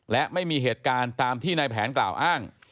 และไม่มีเหตุการณ์ตามที่นายแผนกล่าวอ้าง